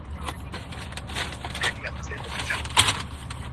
Guinea, স্টেজের ওখানে যান।